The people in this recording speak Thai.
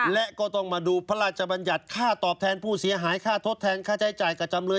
และก็ต้องมาดูพระราชบัญญัติค่าตอบแทนผู้เสียหายค่าทดแทนค่าใช้จ่ายกับจำเลย